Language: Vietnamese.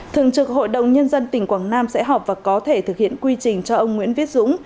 thường trực hội đồng nhân dân tỉnh quảng nam sẽ họp và có thể thực hiện quy trình cho ông nguyễn viết dũng